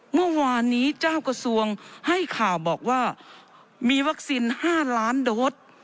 เมื่อวานีเจ้ากระธุระส่งให้ข่าวบอกมีวัคซีน๕ล้านโดส